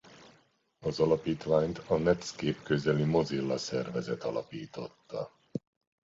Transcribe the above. Az Alapítványt a Netscape-közeli Mozilla szervezet alapította.